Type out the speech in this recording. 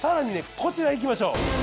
こちらいきましょう。